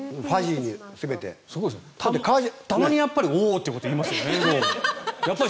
たまにおお！っていうこと言いますよね。